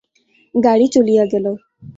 গাড়ি চলিয়া গেল।